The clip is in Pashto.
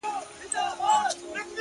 o چي كله مخ ښكاره كړي ماته ځېرسي اې ه؛